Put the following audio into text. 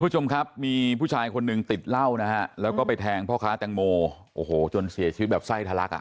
คุณผู้ชมครับมีผู้ชายคนหนึ่งติดเหล้านะฮะแล้วก็ไปแทงพ่อค้าแตงโมโอ้โหจนเสียชีวิตแบบไส้ทะลักอ่ะ